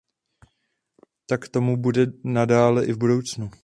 Tak tomu bude nadále i v budoucnu.